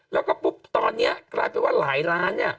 แล้วก็ปุ๊บตอนนี้กลายเป็นว่าหลายล้านเนี่ย